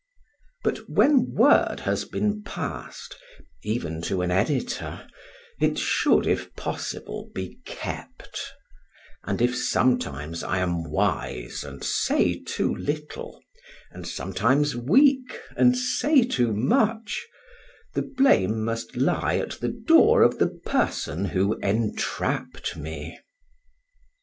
But when word has been passed (even to an editor), it should, if possible, be kept; and if sometimes I am wise and say too little, and sometimes weak and say too much, the blame must lie at the door of the person who entrapped me.